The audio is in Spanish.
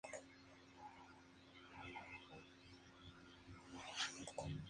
El resultado puede verse proyectado sobre una pared en una habitación oscurecida.